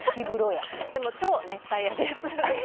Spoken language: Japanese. でも超熱帯夜です。